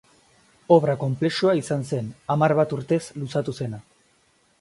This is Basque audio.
Obra konplexua izan zen, hamar bat urtez luzatu zena.